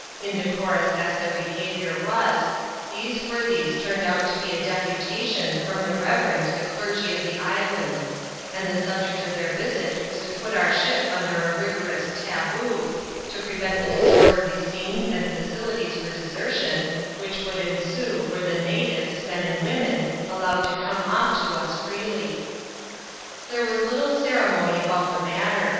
Indecorous as their behaviour was, these worthies turned out to be a deputation from the reverend the clergy of the island; and the object of their visit was to put our ship under a rigorous "Taboo," to prevent the disorderly scenes and facilities for desertion which would ensue were the natives — men and women — allowed to come off to us freely. There was little ceremony about the matter.